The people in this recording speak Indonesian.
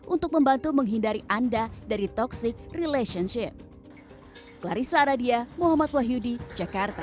untuk membantu menghindari anda dari toxic relationship